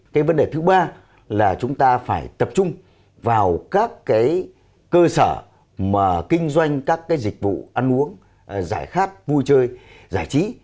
cái vấn đề thứ ba là chúng ta phải tập trung vào các cái cơ sở mà kinh doanh các cái dịch vụ ăn uống giải khát vui chơi giải trí